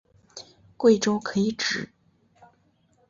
贵州可以指